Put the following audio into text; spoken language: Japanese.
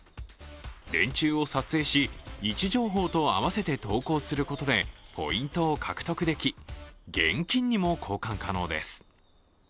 電柱を撮影し、位置情報と合わせて投稿することでポイントを獲得でき現金にも交換可能です。